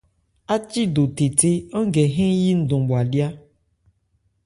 Ácído théthé, án gɛ hɛ́n yi ndɔn bhwalyá.